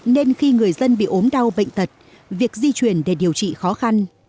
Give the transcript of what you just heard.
nên khi người dân bị ốm đau bệnh tật việc di chuyển để điều trị khó khăn